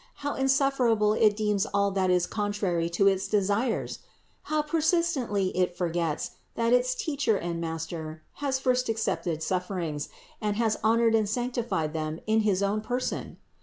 How insufferable it deems all that is contrary to its desires ! How persistently it forgets, that its Teacher and Master has first accepted sufferings, and has honored and sanctified them in his own Person!